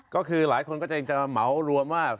ก็คือหลายคนก็จะยังจะเหมารวมว่า